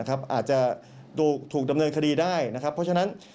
อาจจะถูกดำเนินคดีได้นะครับเพราะฉะนั้น